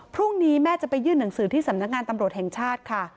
พรุ่งนี้แม่จะไปยื่นหนังสือที่สำนักงานตำรวจแห่งชาติค่ะ